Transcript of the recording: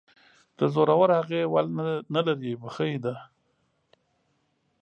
د زورورهغې ول نه لري ،بخۍ دى.